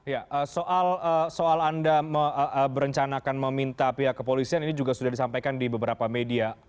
ya soal anda merencanakan meminta pihak kepolisian ini juga sudah disampaikan di beberapa media